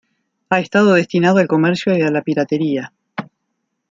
Ha estado destinado al comercio y a la piratería.